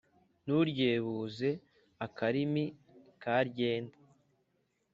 nturyebuze akarimi karyenda.